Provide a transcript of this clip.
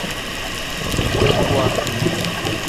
Tianguá